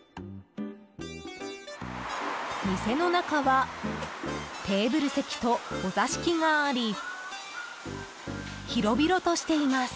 店の中はテーブル席とお座敷があり広々としています。